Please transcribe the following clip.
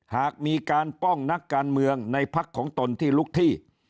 หากมีการป้องนักการเมืองในพักของตนที่ลุกที่